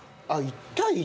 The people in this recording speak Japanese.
１対１。